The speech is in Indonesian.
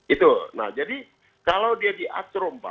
itu nah jadi kalau dia diatur